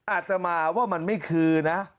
อาจจะมาว่ามันไม่คือนะ